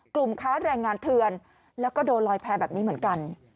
ค้าแรงงานเถื่อนแล้วก็โดนลอยแพ้แบบนี้เหมือนกัน